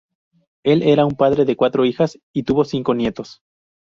Él era un padre de cuatro hijas y tuvo cinco nietos.